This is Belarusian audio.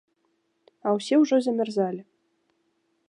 А ўсе ўжо замярзалі.